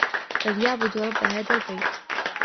فَليَعبُدوا رَبَّ هذَا البَيتِ